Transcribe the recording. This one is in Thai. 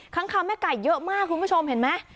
ค้างคาวแม่ไก่เยอะมากคุณผู้ชมเห็นไหม